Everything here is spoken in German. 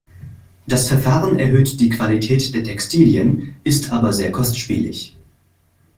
Das Verfahren erhöht die Qualität der Textilien, ist aber sehr kostspielig.